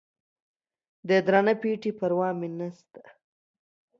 د درانه پېټي پروا مې نسته